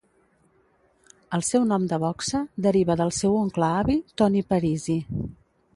El seu nom de boxa deriva del seu oncle avi Tony Parisi.